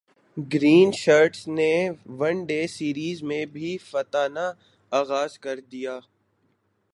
green shirts نے one day series میں بھی فاتحانہ غاز کر دیا